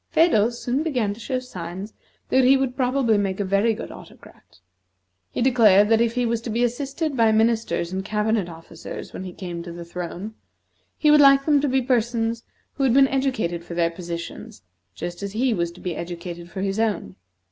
Phedo soon began to show signs that he would probably make a very good Autocrat. He declared that if he was to be assisted by ministers and cabinet officers when he came to the throne, he would like them to be persons who had been educated for their positions, just as he was to be educated for his own.